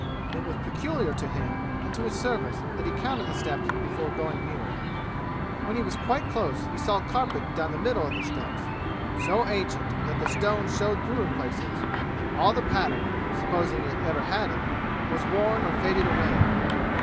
It was peculiar to him and to his service that he counted the steps before going nearer. When he went quite close he saw carpet down the middle of the steps, so ancient that the stone showed through in places; all the pattern, supposing it ever had any, was worn or faded away.